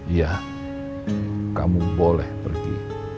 ya kamu boleh pergi